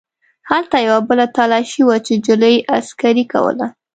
هلته یوه بله تلاشي وه چې نجلۍ عسکرې کوله.